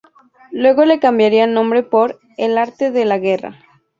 Luego le cambiaría el nombre por "El arte de la guerra".